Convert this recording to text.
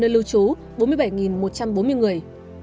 nơi lưu trú bốn mươi bảy một trăm bốn mươi người